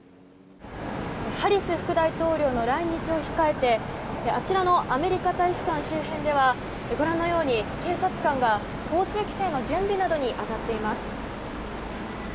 ハリス副大統領の来日を控えてあちらのアメリカ大使館周辺ではご覧のように警察官が交通規制の準備などに当たっています。